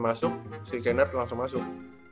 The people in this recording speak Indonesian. masuk si chainer langsung masuk